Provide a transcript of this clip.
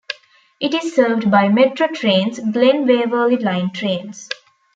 It is served by Metro Trains' Glen Waverley line trains.